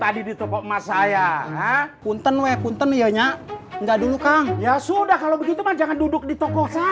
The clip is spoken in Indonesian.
haji kosim memang bedanya apa coba